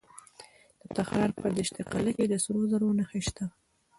د تخار په دشت قلعه کې د سرو زرو نښې شته.